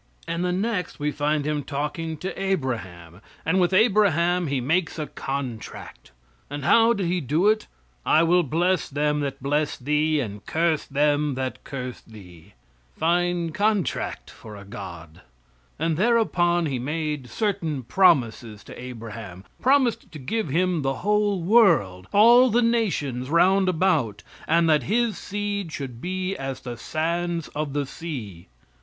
And the next we find Him talking to Abraham, and with Abraham He makes a contract. And how did He do it? "I will bless them that bless thee, and curse them that curse thee." Fine contract for a God. And thereupon He made certain promises to Abraham promised to give him the whole world, all the nations round about, and that his seed should be as the sands of the sea.